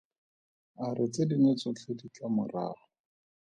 A re tse dingwe tsotlhe di tla morago.